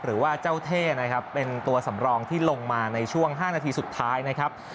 หรือว่าเจ้าเท่นะครับเป็นตัวสำรองที่ลงมาในช่วง๕นาทีสุดท้ายนะครับ